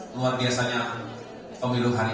luar biasanya pemilu hari ini